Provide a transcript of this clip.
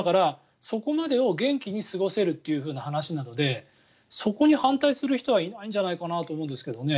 そこまでを元気に過ごせるという話なのでそこを反対する人はいないんじゃないかなと思うんですけど。